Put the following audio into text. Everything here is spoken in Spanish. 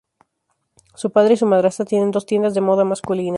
Su padre y su madrastra tienen dos tiendas de moda masculina.